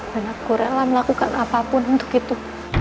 dan aku rela melakukan apapun untuk itu